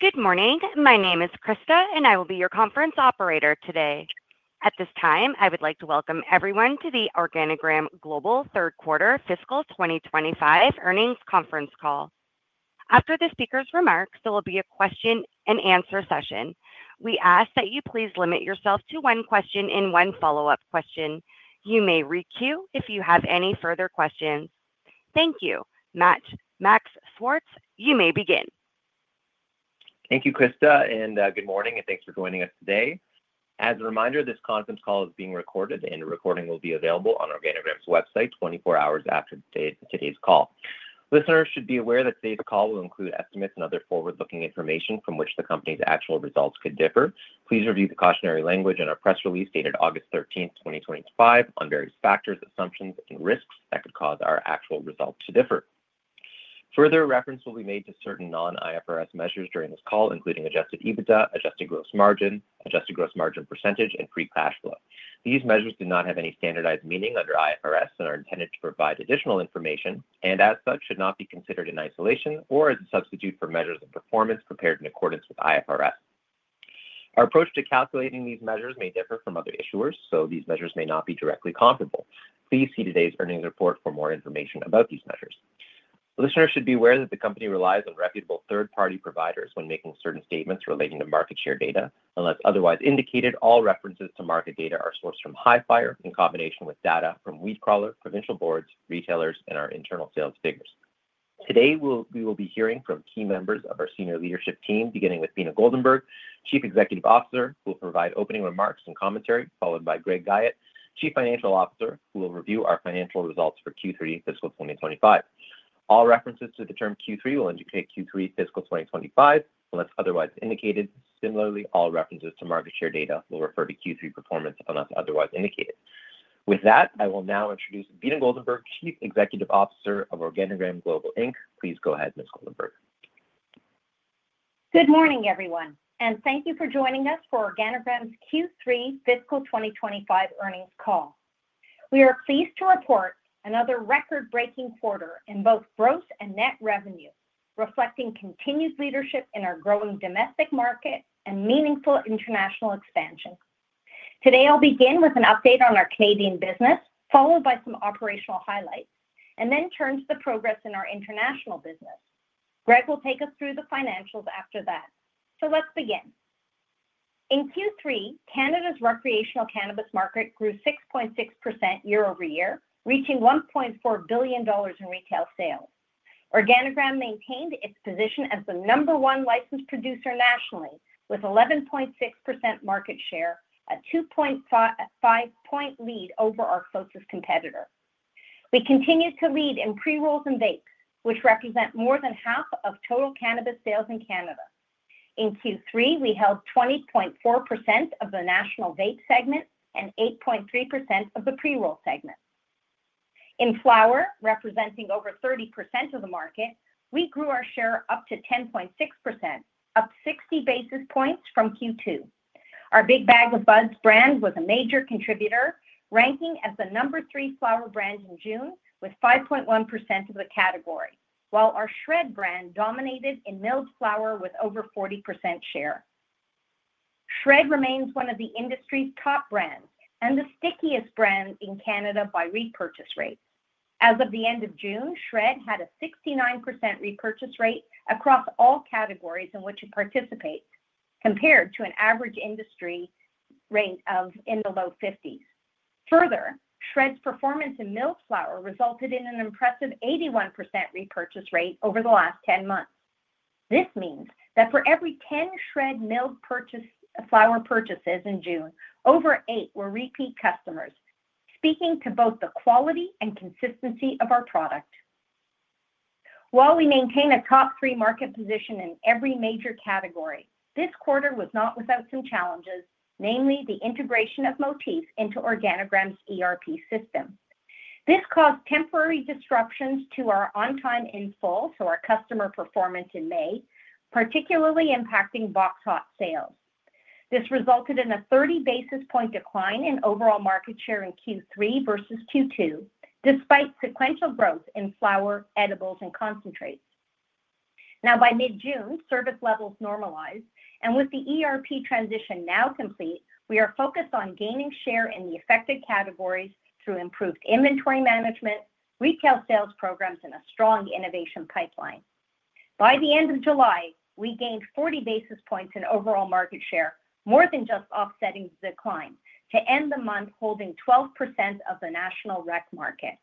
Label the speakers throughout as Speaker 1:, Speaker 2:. Speaker 1: Good morning. My name is Christa, and I will be your conference operator today. At this time, I would like to welcome everyone to the Organigram Global Third Quarter Fiscal 2025 Earnings Conference Call. After the speaker's remarks, there will be a question-and-answer session. We ask that you please limit yourself to one question and one follow-up question. You may re-queue if you have any further questions. Thank you. Max Schwartz, you may begin.
Speaker 2: Thank you, Christa, and good morning, and thanks for joining us today. As a reminder, this conference call is being recorded, and the recording will be available on Organigram's website 24 hours after today's call. Listeners should be aware that today's call will include estimates and other forward-looking information from which the company's actual results could differ. Please review the cautionary language in our press release dated August 13th, 2025, on various factors, assumptions, and risks that could cause our actual results to differ. Further reference will be made to certain non-IFRS measures during this call, including adjusted EBITDA, adjusted gross margin, adjusted gross margin %, and free cash flow. These measures do not have any standardized meaning under IFRS and are intended to provide additional information, and as such, should not be considered in isolation or as a substitute for measures of performance prepared in accordance with IFRS. Our approach to calculating these measures may differ from other issuers, so these measures may not be directly comparable. Please see today's earnings report for more information about these measures. Listeners should be aware that the company relies on reputable third-party providers when making certain statements relating to market share data. Unless otherwise indicated, all references to market data are sourced from Hifyre in combination with data from Weedcrawler, provincial boards, retailers, and our internal sales figures. Today, we will be hearing from key members of our senior leadership team, beginning with Beena Goldenberg, Chief Executive Officer, who will provide opening remarks and commentary, followed by Greg Guyatt, Chief Financial Officer, who will review our financial results for Q3 fiscal 2025. All references to the term Q3 will indicate Q3 fiscal 2025 unless otherwise indicated. Similarly, all references to market share data will refer to Q3 performance unless otherwise indicated. With that, I will now introduce Beena Goldenberg, Chief Executive Officer of Organigram Global Inc. Please go ahead, Ms. Goldenberg.
Speaker 3: Good morning, everyone, and thank you for joining us for Organigram's Q3 fiscal 2025 earnings call. We are pleased to report another record-breaking quarter in both gross and net revenue, reflecting continued leadership in our growing domestic market and meaningful international expansion. Today, I'll begin with an update on our Canadian business, followed by some operational highlights, and then turn to the progress in our international business. Greg will take us through the financials after that. Let's begin. In Q3, Canada's recreational cannabis market grew 6.6% year-over-year, reaching 1.4 billion dollars in retail sales. Organigram maintained its position as the number one licensed producer nationally, with 11.6% market share, a 2.5-point lead over our closest competitor. We continued to lead in pre-rolls and vapes, which represent more than half of total cannabis sales in Canada. In Q3, we held 20.4% of the national vape segment and 8.3% of the pre-roll segment. In flower, representing over 30% of the market, we grew our share up to 10.6%, up 60 basis points from Q2. Our Big Bag O' Buds brand was a major contributor, ranking as the number three flower brand in June, with 5.1% of the category, while our SHRED brand dominated in milled flower with over 40% share. SHRED remains one of the industry's top brands and the stickiest brand in Canada by repurchase rate. As of the end of June, SHRED had a 69% repurchase rate across all categories in which it participates, compared to an average industry rate in the low 50s. Further, SHRED's performance in milled flower resulted in an impressive 81% repurchase rate over the last 10 months. This means that for every 10 SHRED milled flower purchases in June, over eight were repeat customers, speaking to both the quality and consistency of our product. While we maintain a top three market position in every major category, this quarter was not without some challenges, namely the integration of Motif into Organigram's ERP system. This caused temporary disruptions to our on-time in full, so our customer performance in May, particularly impacting BOXHOT sales. This resulted in a 30 basis point decline in overall market share in Q3 versus Q2, despite sequential growth in flower, edibles, and concentrates. Now, by mid-June, service levels normalized, and with the ERP transition now complete, we are focused on gaining share in the affected categories through improved inventory management, retail sales programs, and a strong innovation pipeline. By the end of July, we gained 40 basis points in overall market share, more than just offsetting the decline, to end the month holding 12% of the national rec market.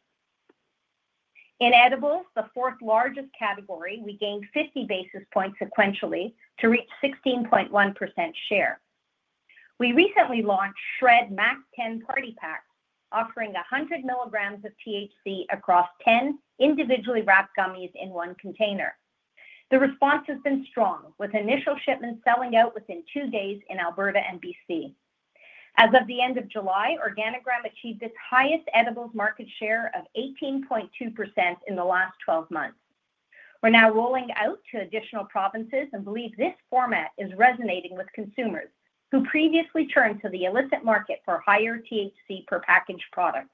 Speaker 3: In edibles, the fourth largest category, we gained 50 basis points sequentially to reach 16.1% share. We recently launched SHRED Max10 Party Pack, offering 100 mg of THC across 10 individually wrapped gummies in one container. The response has been strong, with initial shipments selling out within two days in Alberta and B.C. As of the end of July, Organigram achieved its highest edibles market share of 18.2% in the last 12 months. We're now rolling out to additional provinces and believe this format is resonating with consumers who previously turned to the illicit market for higher THC per package products.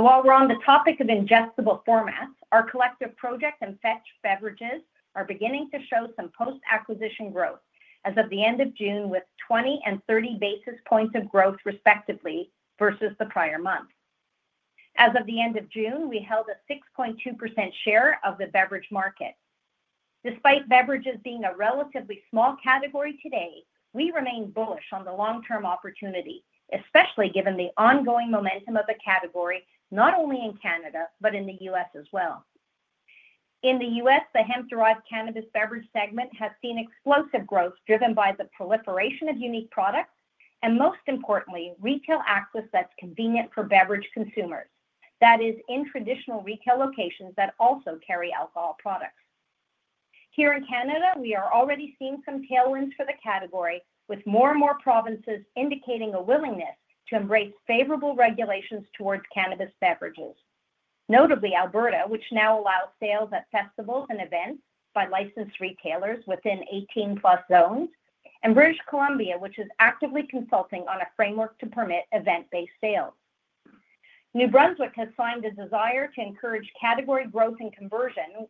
Speaker 3: While we're on the topic of ingestible formats, our Collective Project and Fetch beverages are beginning to show some post-acquisition growth as of the end of June, with 20 and 30 basis points of growth respectively versus the prior month. As of the end of June, we held a 6.2% share of the beverage market. Despite beverages being a relatively small category today, we remain bullish on the long-term opportunity, especially given the ongoing momentum of the category, not only in Canada, but in the U.S. as well. In the U.S., the hemp-derived cannabis beverage segment has seen explosive growth driven by the proliferation of unique products and, most importantly, retail access that's convenient for beverage consumers, that is, in traditional retail locations that also carry alcohol products. Here in Canada, we are already seeing some tailwinds for the category, with more and more provinces indicating a willingness to embrace favorable regulations towards cannabis beverages. Notably, Alberta, which now allows sales at festivals and events by licensed retailers within 18+ zones, and British Columbia, which is actively consulting on a framework to permit event-based sales. New Brunswick has signaled a desire to encourage category growth and conversion,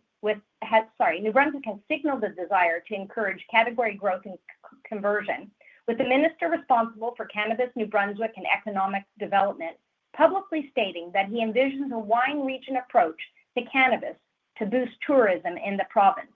Speaker 3: with the Minister responsible for Cannabis New Brunswick and Economic Development publicly stating that he envisions a wine-region approach to cannabis to boost tourism in the province.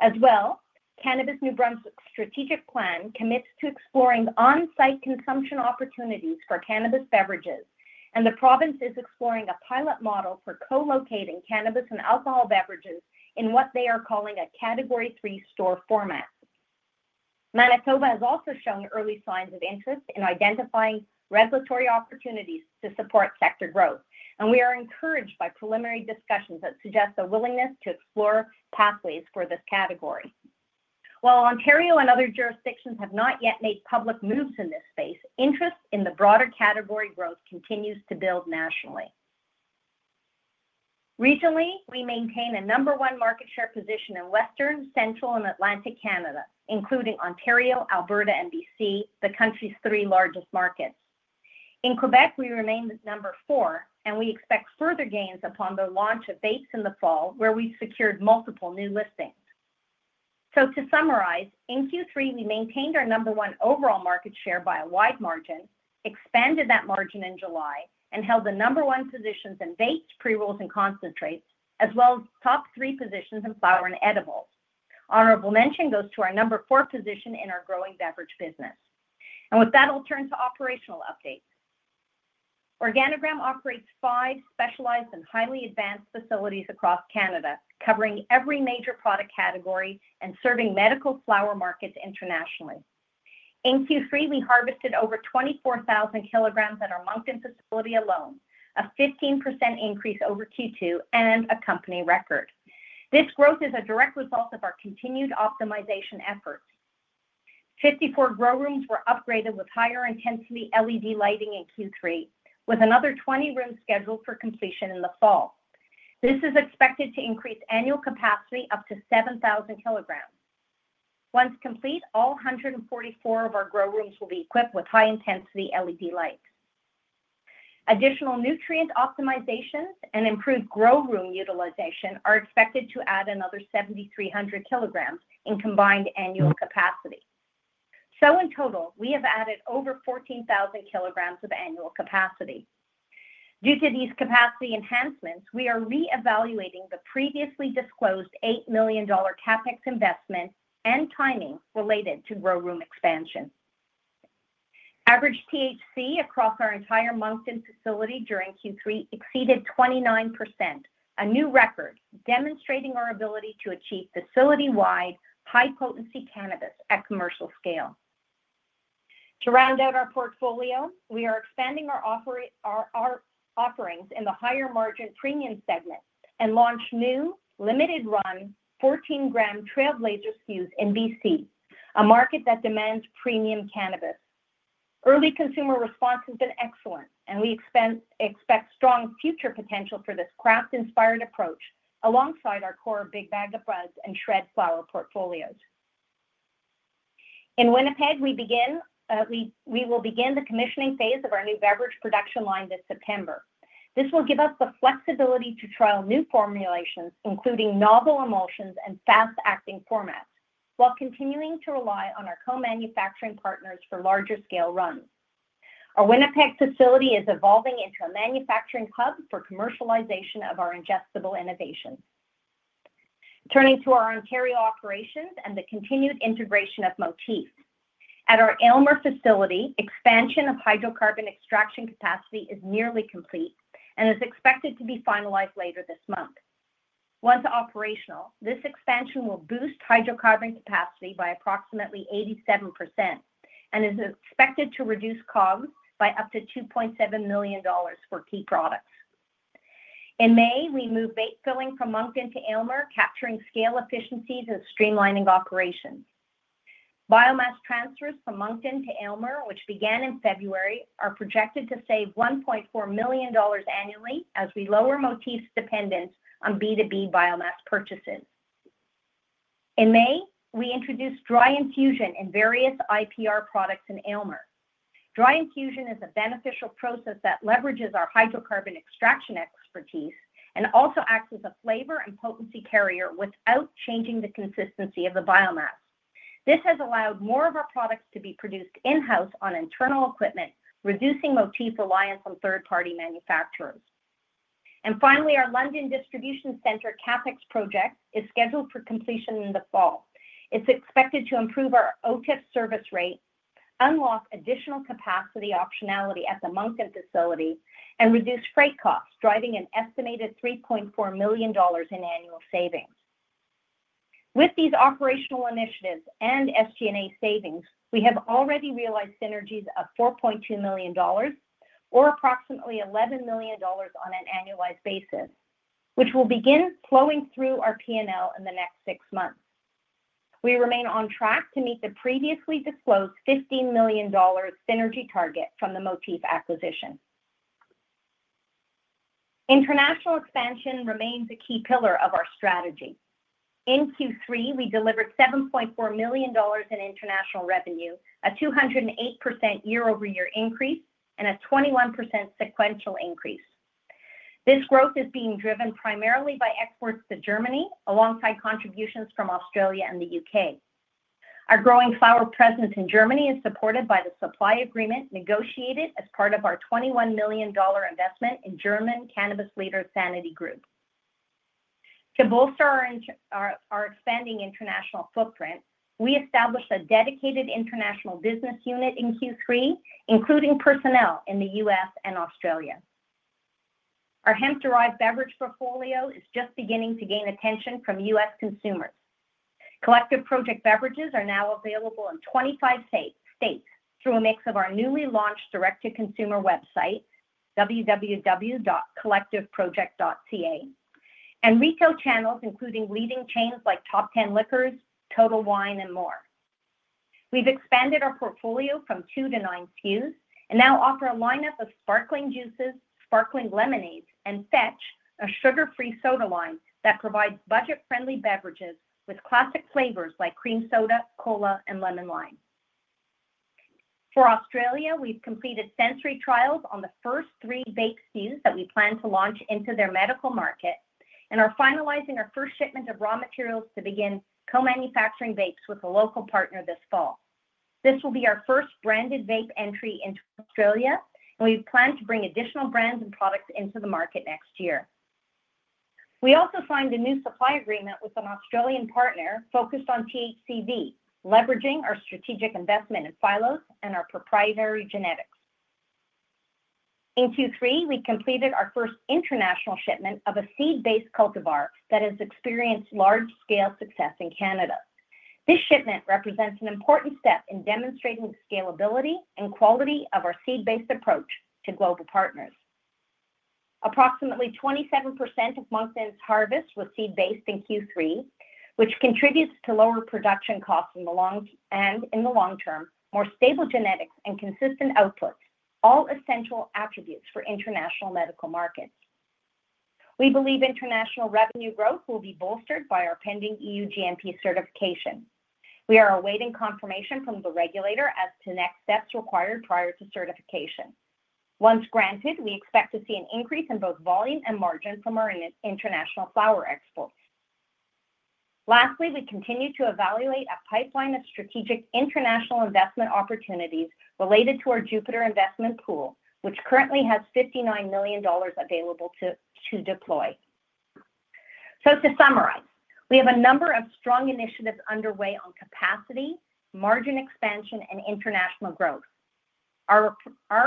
Speaker 3: As well, Cannabis New Brunswick's strategic plan commits to exploring on-site consumption opportunities for cannabis beverages, and the province is exploring a pilot model for co-locating cannabis and alcohol beverages in what they are calling a Category three store format. Manitoba has also shown early signs of interest in identifying regulatory opportunities to support sector growth, and we are encouraged by preliminary discussions that suggest a willingness to explore pathways for this category. While Ontario and other jurisdictions have not yet made public moves in this space, interest in the broader category growth continues to build nationally. Regionally, we maintain a number one market share position in Western, Central, and Atlantic Canada, including Ontario, Alberta, and B.C., the country's three largest markets. In Quebec, we remain the number four, and we expect further gains upon the launch of vapes in the fall, where we've secured multiple new listings. To summarize, in Q3, we maintained our number one overall market share by a wide margin, expanded that margin in July, and held the number one positions in vapes, pre-rolls, and concentrates, as well as top three positions in flower and edibles. Honorable mention goes to our number four position in our growing beverage business. With that, I'll turn to operational updates. Organigram operates five specialized and highly advanced facilities across Canada, covering every major product category and serving medical flower markets internationally. In Q3, we harvested over 24,000 kgs at our Moncton facility alone, a 15% increase over Q2 and a company record. This growth is a direct result of our continued optimization efforts. Fifty-four grow rooms were upgraded with higher-intensity LED lighting in Q3, with another 20 rooms scheduled for completion in the fall. This is expected to increase annual capacity up to 7,000 kgs. Once complete, all 144 of our grow rooms will be equipped with high-intensity LED light. Additional nutrient optimizations and improved grow room utilization are expected to add another 7,300 kgs in combined annual capacity. In total, we have added over 14,000 kgs of annual capacity. Due to these capacity enhancements, we are reevaluating the previously disclosed 8 million dollar CapEx investment and timing related to grow room expansion. Average THC across our entire Moncton facility during Q3 exceeded 29%, a new record demonstrating our ability to achieve facility-wide high-potency cannabis at commercial scale. To round out our portfolio, we are expanding our offerings in the higher margin premium segment and launching new limited-run 14 g Trailblazer SKUs in B.C., a market that demands premium cannabis. Early consumer response has been excellent, and we expect strong future potential for this craft-inspired approach alongside our core Big Bag O' Buds and SHRED flower portfolios. In Winnipeg, we will begin the commissioning phase of our new beverage production line this September. This will give us the flexibility to trial new formulations, including novel emulsions and fast-acting formats, while continuing to rely on our co-manufacturing partners for larger scale runs. Our Winnipeg facility is evolving into a manufacturing hub for commercialization of our ingestible innovation. Turning to our Ontario operations and the continued integration of Motif. At our Aylmer facility, expansion of hydrocarbon extraction capacity is nearly complete and is expected to be finalized later this month. Once operational, this expansion will boost hydrocarbon capacity by approximately 87% and is expected to reduce COGS by up to 2.7 million dollars for key products. In May, we moved vape filling from Moncton to Elmer, capturing scale efficiencies and streamlining operations. Biomass transfers from Moncton to Aylmer, which began in February, are projected to save 1.4 million dollars annually as we lower Motif's dependence on B2B biomass purchases. In May, we introduced dry infusion in various IPR products in Aylmer. Dry infusion is a beneficial process that leverages our hydrocarbon extraction expertise and also acts as a flavor and potency carrier without changing the consistency of the biomass. This has allowed more of our products to be produced in-house on internal equipment, reducing Motif's reliance on third-party manufacturers. Finally, our London distribution center CapEx project is scheduled for completion in the fall. It's expected to improve our OTIP service rate, unlock additional capacity optionality at the Moncton facility, and reduce freight costs, driving an estimated 3.4 million dollars in annual savings. With these operational initiatives and SG&A savings, we have already realized synergies of 4.2 million dollars, or approximately 11 million dollars on an annualized basis, which will begin flowing through our P&L in the next six months. We remain on track to meet the previously disclosed 15 million dollars synergy target from the Motif acquisition. International expansion remains a key pillar of our strategy. In Q3, we delivered 7.4 million dollars in international revenue, a 208% year-over-year increase, and a 21% sequential increase. This growth is being driven primarily by exports to Germany, alongside contributions from Australia and the U.K. Our growing flower presence in Germany is supported by the supply agreement negotiated as part of our 21 million dollar investment in German cannabis leader Sanity Group. To bolster our expanding international footprint, we established a dedicated international business unit in Q3, including personnel in the U.S. and Australia. Our hemp-derived beverage portfolio is just beginning to gain attention from U.S. consumers. Collective Project beverages are now available in 25 states through a mix of our newly launched direct-to-consumer website, www.collectiveproject.ca, and retail channels, including leading chains like Top 10 Liquors, Total Wine & More. We've expanded our portfolio from two to nine SKUs and now offer a lineup of sparkling juices, sparkling lemonades, and Fetch, a sugar-free soda line that provides budget-friendly beverages with classic flavors like cream soda, cola, and lemon lime. For Australia, we've completed sensory trials on the first three vape SKUs that we plan to launch into their medical market and are finalizing our first shipment of raw materials to begin co-manufacturing vapes with a local partner this fall. This will be our first branded vape entry into Australia, and we plan to bring additional brands and products into the market next year. We also signed a new supply agreement with an Australian partner focused on THCV, leveraging our strategic investment in Phylos and our proprietary genetics. In Q3, we completed our first international shipment of a seed-based cultivar that has experienced large-scale success in Canada. This shipment represents an important step in demonstrating the scalability and quality of our seed-based approach to global partners. Approximately 27% of Moncton's harvest was seed-based in Q3, which contributes to lower production costs in the long term, more stable genetics, and consistent output, all essential attributes for international medical markets. We believe international revenue growth will be bolstered by our pending EU-GMP certification. We are awaiting confirmation from the regulator as to next steps required prior to certification. Once granted, we expect to see an increase in both volume and margin from our international flower exports. Lastly, we continue to evaluate a pipeline of strategic international investment opportunities related to our Jupiter Investment Pool, which currently has 59 million dollars available to deploy. To summarize, we have a number of strong initiatives underway on capacity, margin expansion, and international growth. Our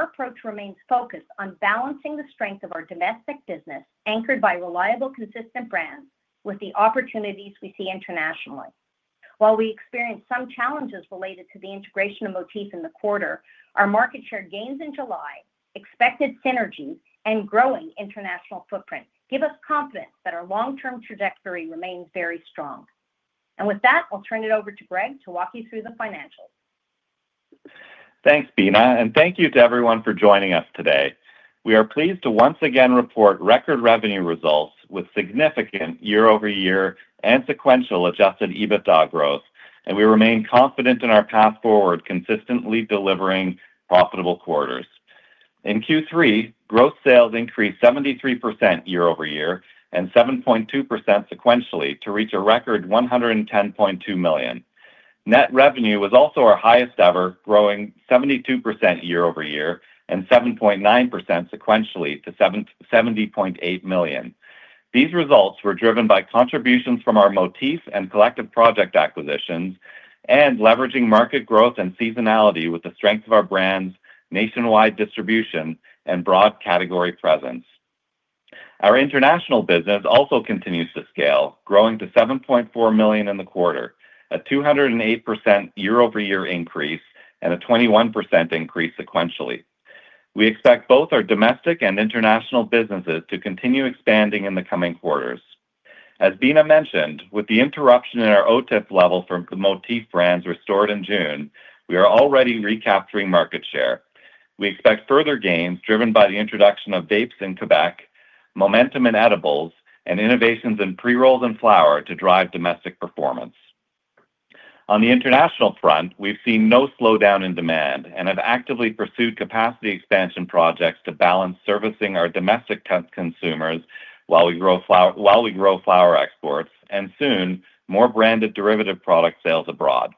Speaker 3: approach remains focused on balancing the strength of our domestic business, anchored by reliable, consistent brands with the opportunities we see internationally. While we experienced some challenges related to the integration of Motif in the quarter, our market share gains in July, expected synergies, and growing international footprint give us confidence that our long-term trajectory remains very strong. With that, I'll turn it over to Greg to walk you through the financials.
Speaker 4: Thanks, Beena, and thank you to everyone for joining us today. We are pleased to once again report record revenue results with significant year-over-year and sequential adjusted EBITDA growth, and we remain confident in our path forward, consistently delivering profitable quarters. In Q3, gross sales increased 73% year-over-year and 7.2% sequentially to reach a record 110.2 million. Net revenue was also our highest ever, growing 72% year-over-year and 7.9% sequentially to 70.8 million. These results were driven by contributions from our Motif and Collective Project acquisitions and leveraging market growth and seasonality with the strength of our brand's nationwide distribution and broad category presence. Our international business also continues to scale, growing to 7.4 million in the quarter, a 208% year-over-year increase and a 21% increase sequentially. We expect both our domestic and international businesses to continue expanding in the coming quarters. As Beena mentioned, with the interruption in our OTIP level for Motif brands restored in June, we are already recapturing market share. We expect further gains driven by the introduction of vapes in Quebec, momentum in edibles, and innovations in pre-rolls and flower to drive domestic performance. On the international front, we've seen no slowdown in demand and have actively pursued capacity expansion projects to balance servicing our domestic consumers while we grow flower exports and soon more branded derivative product sales abroad.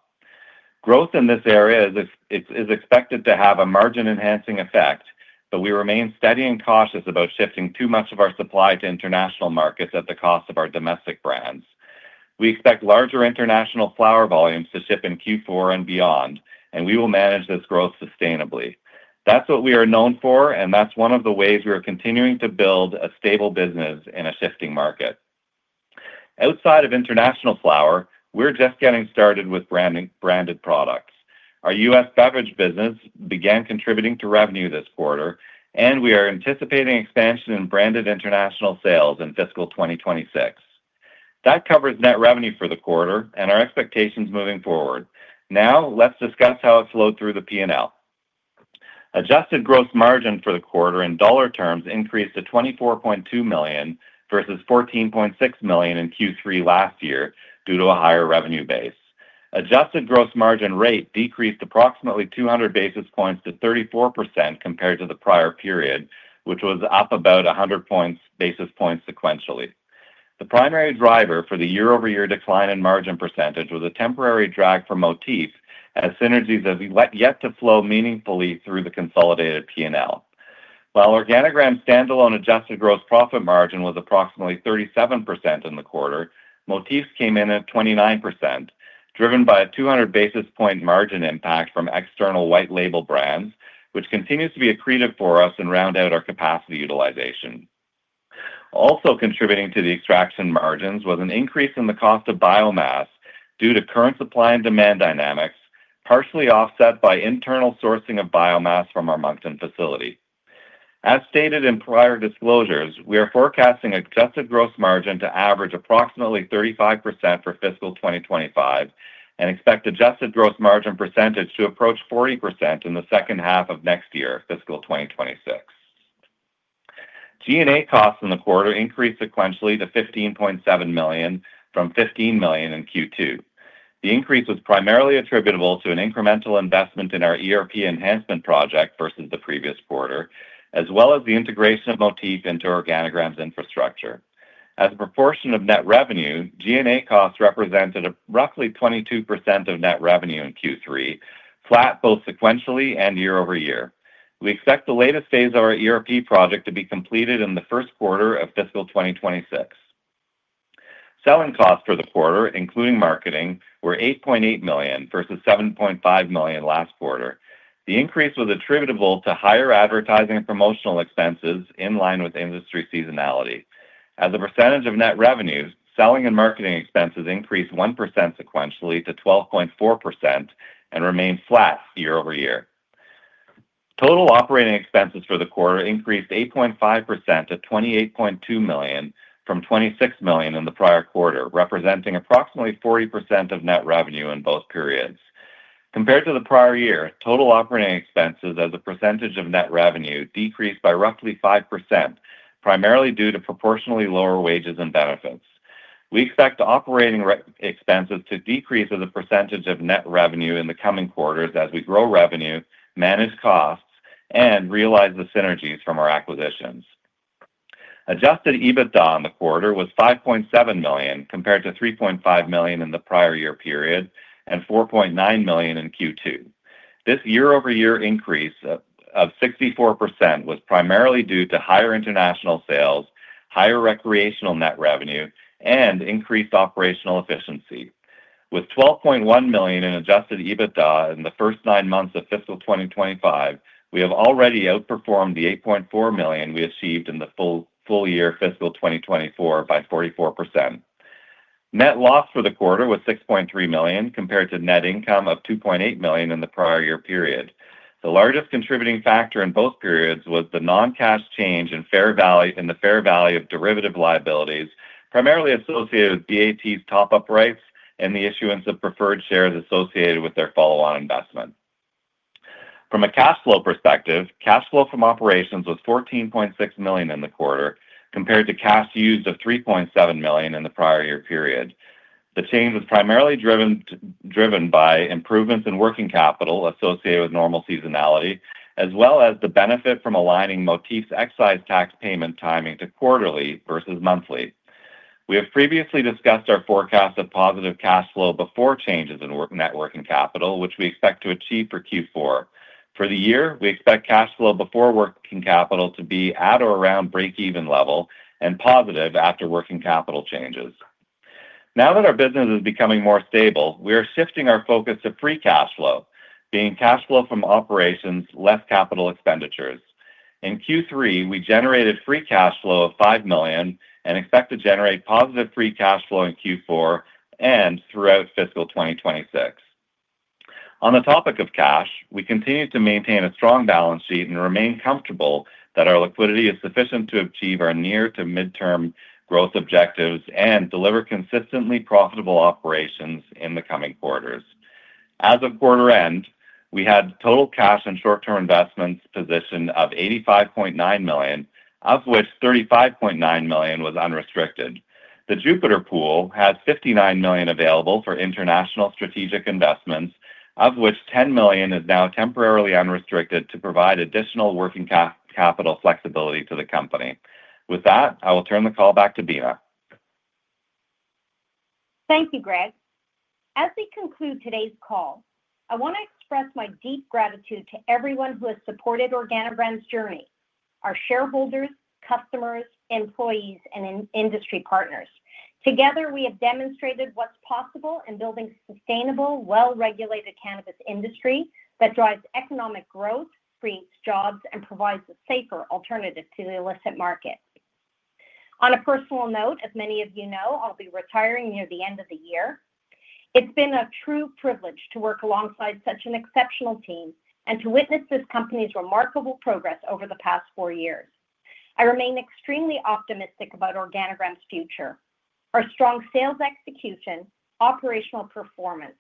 Speaker 4: Growth in this area is expected to have a margin-enhancing effect, but we remain steady and cautious about shifting too much of our supply to international markets at the cost of our domestic brands. We expect larger international flower volumes to ship in Q4 and beyond, and we will manage this growth sustainably. That's what we are known for, and that's one of the ways we are continuing to build a stable business in a shifting market. Outside of international flower, we're just getting started with branded products. Our U.S. beverage business began contributing to revenue this quarter, and we are anticipating expansion in branded international sales in fiscal 2026. That covers net revenue for the quarter and our expectations moving forward. Now, let's discuss how it flowed through the P&L. Adjusted gross margin for the quarter in dollar terms increased to 24.2 million versus 14.6 million in Q3 last year due to a higher revenue base. Adjusted gross margin rate decreased approximately 200 basis points to 34% compared to the prior period, which was up about 100 basis points sequentially. The primary driver for the year-over-year decline in margin percentage was a temporary drag for Motif, as synergies have yet to flow meaningfully through the consolidated P&L. While Organigram's standalone adjusted gross profit margin was approximately 37% in the quarter, Motif's came in at 29%, driven by a 200 basis point margin impact from external white label brands, which continues to be accretive for us and round out our capacity utilization. Also contributing to the extraction margins was an increase in the cost of biomass due to current supply and demand dynamics, partially offset by internal sourcing of biomass from our Moncton facility. As stated in prior disclosures, we are forecasting adjusted gross margin to average approximately 35% for fiscal 2025 and expect adjusted gross margin percentage to approach 40% in the second half of next year, fiscal 2026. G&A costs in the quarter increased sequentially to 15.7 million from 15 million in Q2. The increase was primarily attributable to an incremental investment in our ERP enhancement project versus the previous quarter, as well as the integration of Motif into Organigram's infrastructure. As a proportion of net revenue, G&A costs represented roughly 22% of net revenue in Q3, flat both sequentially and year-over-year. We expect the latest phase of our ERP project to be completed in the first quarter of fiscal 2026. Selling costs for the quarter, including marketing, were 8.8 million versus 7.5 million last quarter. The increase was attributable to higher advertising and promotional expenses in line with industry seasonality. As a percentage of net revenues, selling and marketing expenses increased 1% sequentially to 12.4% and remained flat year-over-year. Total operating expenses for the quarter increased 8.5% to 28.2 million from 26 million in the prior quarter, representing approximately 40% of net revenue in both periods. Compared to the prior year, total operating expenses as a percentage of net revenue decreased by roughly 5%, primarily due to proportionally lower wages and benefits. We expect operating expenses to decrease as a percentage of net revenue in the coming quarters as we grow revenue, manage costs, and realize the synergies from our acquisitions. Adjusted EBITDA in the quarter was 5.7 million compared to 3.5 million in the prior year period and 4.9 million in Q2. This year-over-year increase of 64% was primarily due to higher international sales, higher recreational net revenue, and increased operational efficiency. With 12.1 million in adjusted EBITDA in the first nine months of fiscal 2025, we have already outperformed the 8.4 million we achieved in the full year, fiscal 2024, by 44%. Net loss for the quarter was 6.3 million compared to net income of 2.8 million in the prior year period. The largest contributing factor in both periods was the non-cash change in the fair value of derivative liabilities, primarily associated with BAT's top-up rates and the issuance of preferred shares associated with their follow-on investment. From a cash flow perspective, cash flow from operations was 14.6 million in the quarter compared to cash used of 3.7 million in the prior year period. The change was primarily driven by improvements in working capital associated with normal seasonality, as well as the benefit from aligning Motif's excise tax payment timing to quarterly versus monthly. We have previously discussed our forecast of positive cash flow before changes in net working capital, which we expect to achieve for Q4. For the year, we expect cash flow before working capital to be at or around break-even level and positive after working capital changes. Now that our business is becoming more stable, we are shifting our focus to free cash flow, being cash flow from operations, less capital expenditures. In Q3, we generated free cash flow of 5 million and expect to generate positive free cash flow in Q4 and throughout fiscal 2026. On the topic of cash, we continue to maintain a strong balance sheet and remain comfortable that our liquidity is sufficient to achieve our near to midterm growth objectives and deliver consistently profitable operations in the coming quarters. As of quarter end, we had total cash and short-term investments positioned of 85.9 million, of which 35.9 million was unrestricted. The Jupiter Pool had 59 million available for international strategic investments, of which 10 million is now temporarily unrestricted to provide additional working capital flexibility to the company. With that, I will turn the call back to Beena.
Speaker 3: Thank you, Greg. As we conclude today's call, I want to express my deep gratitude to everyone who has supported Organigram's journey, our shareholders, customers, employees, and industry partners. Together, we have demonstrated what's possible in building a sustainable, well-regulated cannabis industry that drives economic growth, creates jobs, and provides a safer alternative to the illicit market. On a personal note, as many of you know, I'll be retiring near the end of the year. It's been a true privilege to work alongside such an exceptional team and to witness this company's remarkable progress over the past four years. I remain extremely optimistic about Organigram's future. Our strong sales execution, operational performance,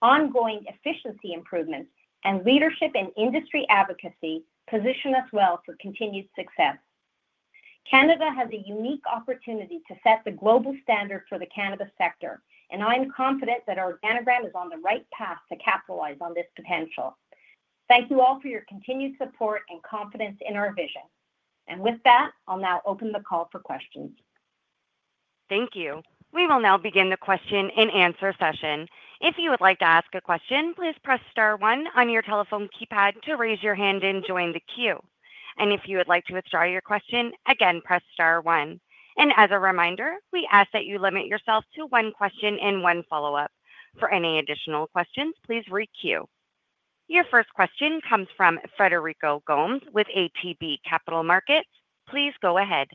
Speaker 3: ongoing efficiency improvements, and leadership in industry advocacy position us well for continued success. Canada has a unique opportunity to set the global standard for the cannabis sector, and I'm confident that Organigram is on the right path to capitalize on this potential. Thank you all for your continued support and confidence in our vision. I'll now open the call for questions.
Speaker 1: Thank you. We will now begin the question and answer session. If you would like to ask a question, please press star one on your telephone keypad to raise your hand and join the queue. If you would like to withdraw your question, again, press star one. As a reminder, we ask that you limit yourself to one question and one follow-up. For any additional questions, please re-queue. Your first question comes from Frederico Gomes with ATB Capital Markets. Please go ahead.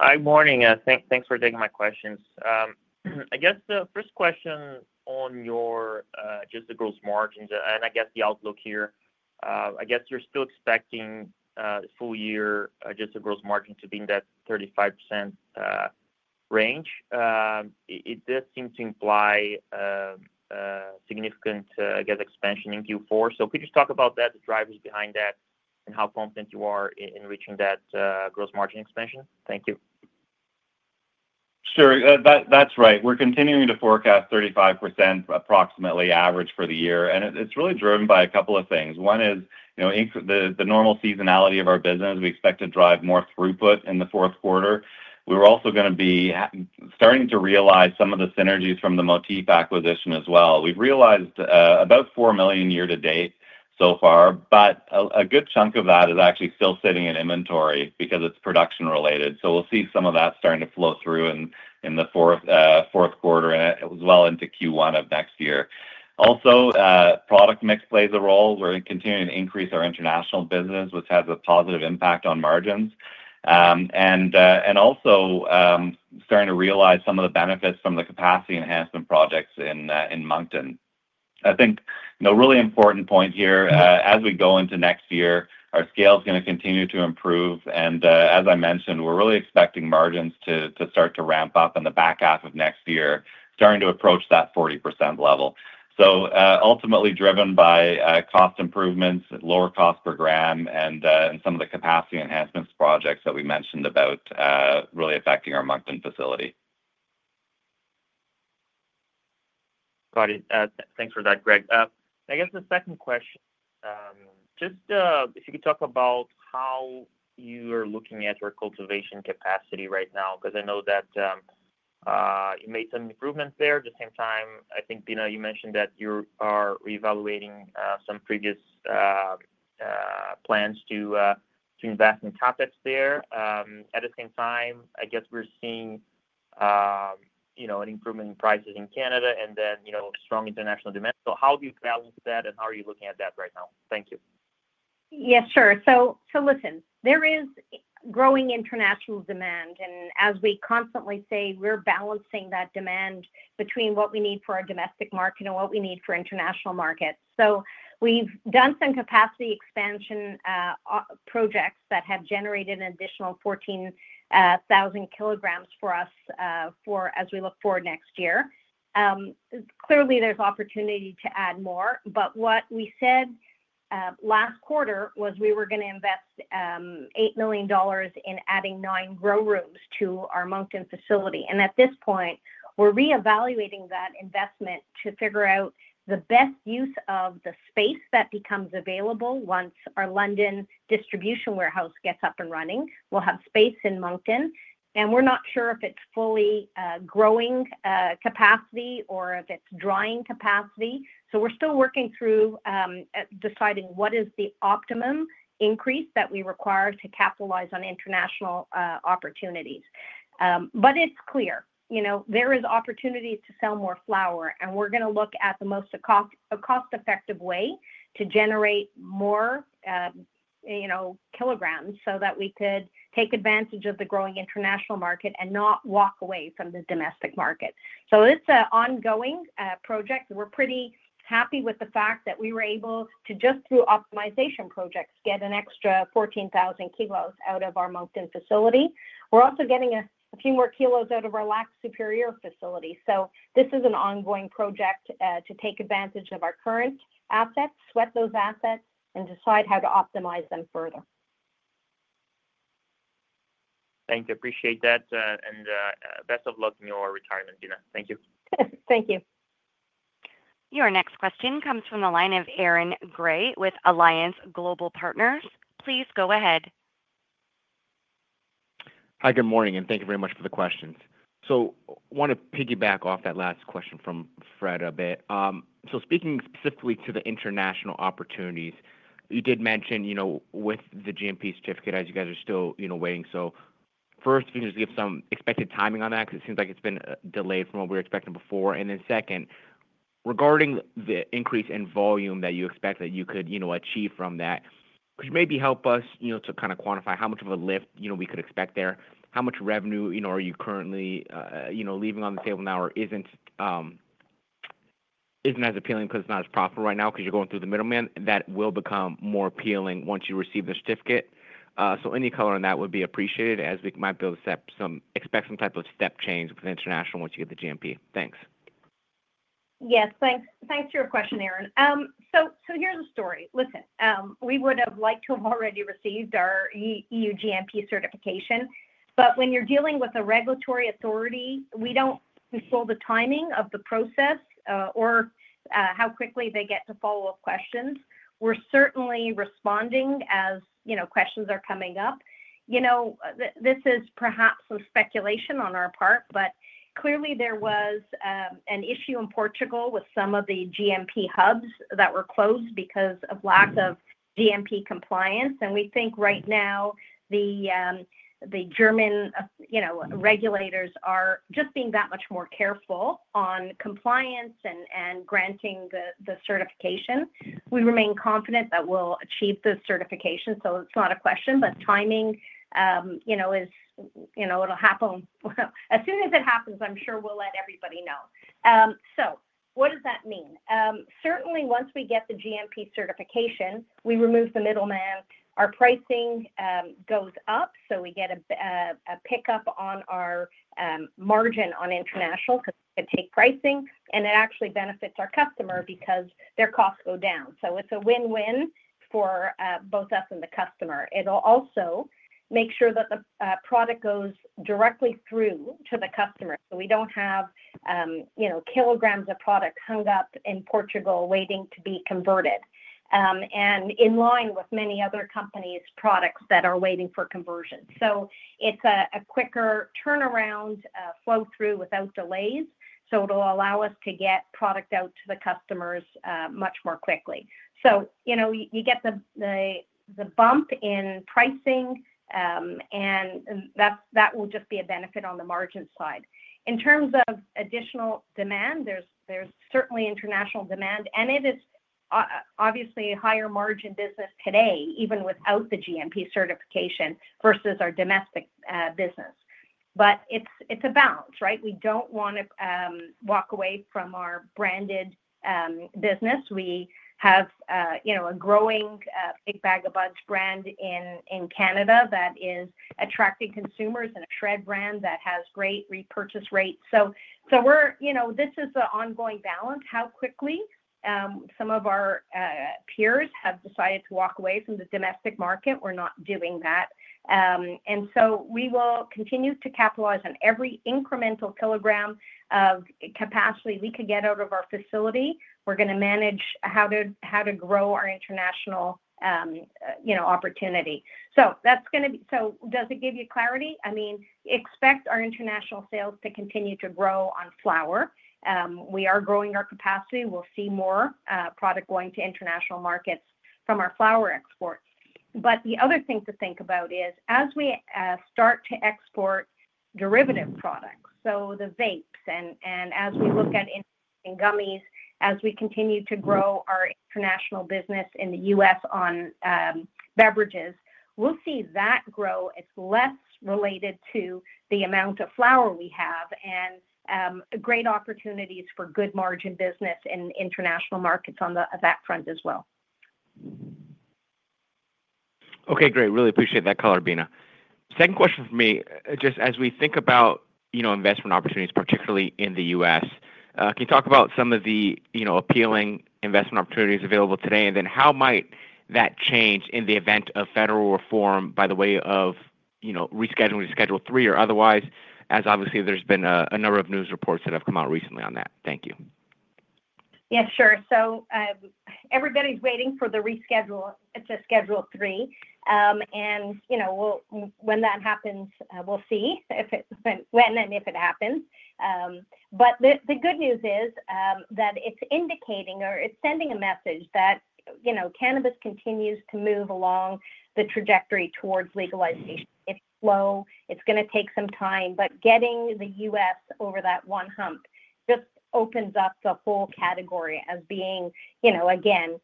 Speaker 5: Hi, good morning. Thanks for taking my questions. I guess the first question on your adjusted gross margins and I guess the outlook here, I guess you're still expecting the full year adjusted gross margin to be in that 35% range. It does seem to imply significant, I guess, expansion in Q4. Could you just talk about that, the drivers behind that, and how confident you are in reaching that gross margin expansion? Thank you.
Speaker 4: Sure, that's right. We're continuing to forecast 35% approximately average for the year, and it's really driven by a couple of things. One is, you know, the normal seasonality of our business. We expect to drive more throughput in the fourth quarter. We're also going to be starting to realize some of the synergies from the Motif acquisition as well. We've realized about 4 million year-to-date so far, but a good chunk of that is actually still sitting in inventory because it's production related. We'll see some of that starting to flow through in the fourth quarter, as well into Q1 of next year. Also, product mix plays a role. We're continuing to increase our international business, which has a positive impact on margins, and also starting to realize some of the benefits from the capacity enhancement projects in Moncton. I think a really important point here, as we go into next year, our scale is going to continue to improve, and as I mentioned, we're really expecting margins to start to ramp up in the back half of next year, starting to approach that 40% level. Ultimately driven by cost improvements, lower cost per gram, and some of the capacity enhancements projects that we mentioned about really affecting our Moncton facility.
Speaker 5: Got it. Thanks for that, Greg. I guess the second question, just if you could talk about how you are looking at your cultivation capacity right now, because I know that you made some improvements there. At the same time, I think, Beena, you mentioned that you are reevaluating some previous plans to invest in CapEx there. At the same time, I guess we're seeing an improvement in prices in Canada and then, you know, strong international demand. How do you balance that and how are you looking at that right now? Thank you.
Speaker 3: Yes, sure. There is growing international demand, and as we constantly say, we're balancing that demand between what we need for our domestic market and what we need for international markets. We've done some capacity expansion projects that have generated an additional 14,000 kgs for us as we look forward to next year. Clearly, there's opportunity to add more, but what we said last quarter was we were going to invest 8 million dollars in adding nine grow rooms to our Moncton facility. At this point, we're reevaluating that investment to figure out the best use of the space that becomes available once our London distribution warehouse gets up and running. We'll have space in Moncton, and we're not sure if it's fully growing capacity or if it's drying capacity. We're still working through deciding what is the optimum increase that we require to capitalize on international opportunities. It is clear there is opportunity to sell more flower, and we're going to look at the most cost-effective way to generate more kilograms so that we could take advantage of the growing international market and not walk away from the domestic market. It's an ongoing project. We're pretty happy with the fact that we were able to, just through optimization projects, get an extra 14,000 kgs out of our Moncton facility. We're also getting a few more kilos out of our Lac-Supérieur facility. This is an ongoing project to take advantage of our current assets, sweat those assets, and decide how to optimize them further.
Speaker 5: Thank you. I appreciate that, and best of luck in your retirement, Beena. Thank you.
Speaker 3: Thank you.
Speaker 1: Your next question comes from the line of Aaron Grey with Alliance Global Partners. Please go ahead.
Speaker 6: Hi, good morning, and thank you very much for the questions. I want to piggyback off that last question from Fred a bit. Speaking specifically to the international opportunities, you did mention, with the GMP certification, as you guys are still waiting. First, can you just give some expected timing on that? It seems like it's been delayed from what we were expecting before. Second, regarding the increase in volume that you expect that you could achieve from that, could you maybe help us to kind of quantify how much of a lift we could expect there? How much revenue are you currently leaving on the table now or isn't as appealing because it's not as profitable right now because you're going through the middleman that will become more appealing once you receive the certification? Any color on that would be appreciated as we might be able to expect some type of step change with international once you get the EU GMP. Thanks.
Speaker 3: Yes, thanks. Thanks for your question, Aaron. Here's a story. We would have liked to have already received our EU-GMP certification, but when you're dealing with a regulatory authority, we don't control the timing of the process or how quickly they get to follow-up questions. We're certainly responding as questions are coming up. This is perhaps some speculation on our part, but clearly there was an issue in Portugal with some of the GMP hubs that were closed because of lack of GMP compliance. We think right now the German regulators are just being that much more careful on compliance and granting the certification. We remain confident that we'll achieve the certification, so it's not a question, but timing, it'll happen. As soon as it happens, I'm sure we'll let everybody know. What does that mean? Certainly, once we get the GMP certification, we remove the middleman. Our pricing goes up, so we get a pickup on our margin on international because we can take pricing, and it actually benefits our customer because their costs go down. It's a win-win for both us and the customer. It'll also make sure that the product goes directly through to the customer so we don't have kilograms of product hung up in Portugal waiting to be converted and in line with many other companies' products that are waiting for conversion. It's a quicker turnaround flow-through without delays, so it'll allow us to get product out to the customers much more quickly. You get the bump in pricing, and that will just be a benefit on the margin side. In terms of additional demand, there's certainly international demand, and it is obviously a higher margin business today, even without the GMP certification versus our domestic business. It's a balance, right? We don't want to walk away from our branded business. We have a growing Big Bag O' Buds brand in Canada that is attracting consumers and a SHRED brand that has great repurchase rates. This is an ongoing balance. How quickly some of our peers have decided to walk away from the domestic market, we're not doing that. We will continue to capitalize on every incremental kilogram of capacity we could get out of our facility. We're going to manage how to grow our international opportunity. Does it give you clarity? I mean, expect our international sales to continue to grow on flower. We are growing our capacity. We'll see more product going to international markets from our flower exports. The other thing to think about is as we start to export derivative products, so the vapes, and as we look at gummies, as we continue to grow our international business in the U.S. on beverages, we'll see that grow. It's less related to the amount of flower we have and great opportunities for good margin business in international markets on that front as well.
Speaker 6: Okay, great. Really appreciate that color, Beena. Second question for me, just as we think about, you know, investment opportunities, particularly in the U.S., can you talk about some of the, you know, appealing investment opportunities available today? How might that change in the event of federal reform by way of, you know, rescheduling to Schedule III or otherwise, as obviously there's been a number of news reports that have come out recently on that? Thank you.
Speaker 3: Yeah, sure. Everybody's waiting for the reschedule to Schedule III. When that happens, we'll see if it went and if it happens. The good news is that it's indicating or it's sending a message that, you know, cannabis continues to move along the trajectory towards legalization. It's slow. It's going to take some time, but getting the U.S. over that one hump just opens up the whole category as being, you know, again,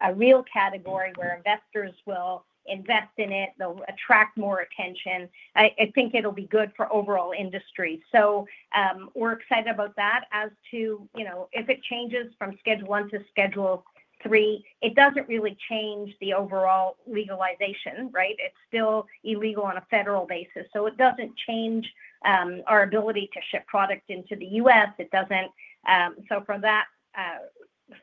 Speaker 3: a real category where investors will invest in it. They'll attract more attention. I think it'll be good for overall industry. We're excited about that. As to, you know, if it changes from Schedule I to Schedule III, it doesn't really change the overall legalization, right? It's still illegal on a federal basis. It doesn't change our ability to ship product into the U.S. It doesn't.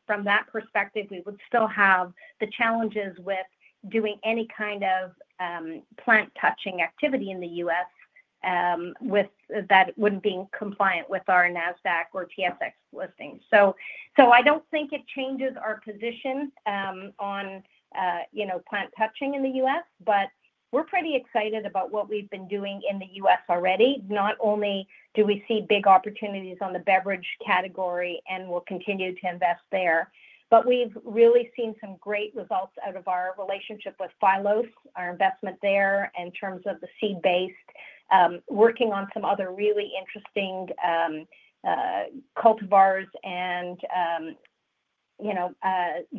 Speaker 3: From that perspective, we would still have the challenges with doing any kind of plant touching activity in the U.S. that wouldn't be compliant with our Nasdaq or TSX listings. I don't think it changes our position on, you know, plant touching in the U.S., but we're pretty excited about what we've been doing in the U.S. already. Not only do we see big opportunities on the beverage category, and we'll continue to invest there, but we've really seen some great results out of our relationship with Phyllos, our investment there in terms of the seed-based, working on some other really interesting cultivars and, you know,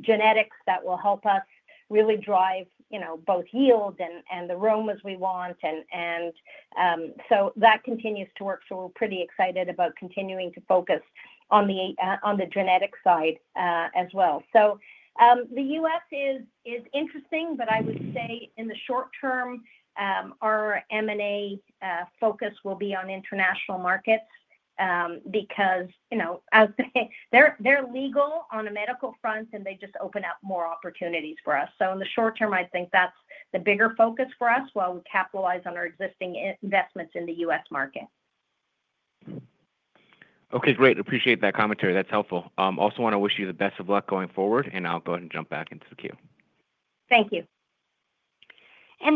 Speaker 3: genetics that will help us really drive, you know, both yield and the aromas we want. That continues to work. We're pretty excited about continuing to focus on the genetic side as well. The U.S. is interesting, but I would say in the short term, our M&A focus will be on international markets because, you know, they're legal on a medical front, and they just open up more opportunities for us. In the short term, I think that's the bigger focus for us while we capitalize on our existing investments in the U.S. market.
Speaker 6: Okay, great. I appreciate that commentary. That's helpful. I also want to wish you the best of luck going forward, and I'll go ahead and jump back into the queue.
Speaker 3: Thank you.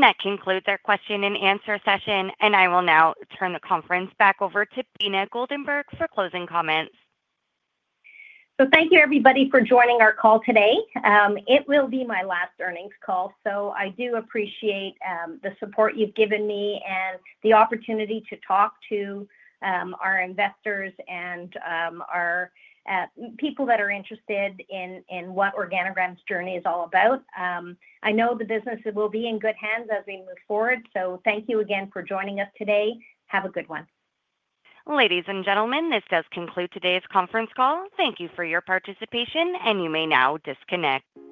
Speaker 1: That concludes our question and answer session. I will now turn the conference back over to Beena Goldenberg for closing comments.
Speaker 3: Thank you, everybody, for joining our call today. It will be my last earnings call, so I do appreciate the support you've given me and the opportunity to talk to our investors and our people that are interested in what Organigram's journey is all about. I know the business will be in good hands as we move forward. Thank you again for joining us today. Have a good one.
Speaker 1: Ladies and gentlemen, this does conclude today's conference call. Thank you for your participation, and you may now disconnect.